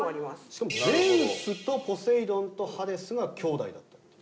しかもゼウスとポセイドンとハデスが兄弟だったっていう。